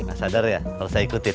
gak sadar ya harusnya ikutin